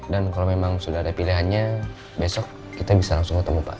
dan kalau memang sudah ada pilihannya besok kita bisa langsung ketemu pak